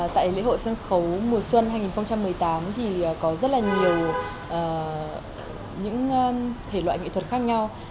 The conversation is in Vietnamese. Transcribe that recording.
tại lễ hội sân khấu mùa xuân hai nghìn một mươi tám thì có rất là nhiều những thể loại nghệ thuật khác nhau